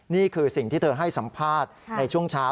นี่คือสิ่งที่เธอให้สัมภาษณ์ในช่วงเช้า